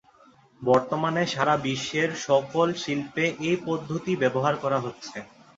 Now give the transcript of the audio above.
বর্তমানে সারা বিশ্বের সকল শিল্পে এই পদ্ধতি ব্যবহার করা হচ্ছে।